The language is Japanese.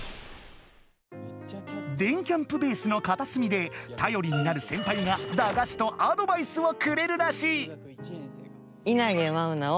電キャんぷベースのかたすみでたよりになるセンパイが駄菓子とアドバイスをくれるらしい。